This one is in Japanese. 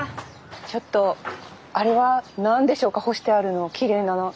ちょっとあれは何でしょうか干してあるのきれいなの。